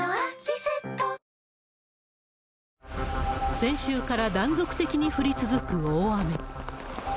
先週から断続的に降り続く大雨。